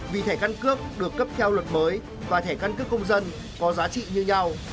vì thẻ căn cước được cấp theo luật mới và thẻ căn cước công dân có giá trị như nhau